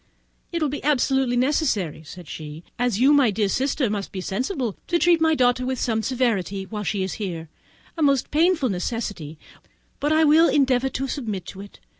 "It will be absolutely necessary," said she, "as you, my dear sister, must be sensible, to treat my daughter with some severity while she is here; a most painful necessity, but I will endeavour to submit to it.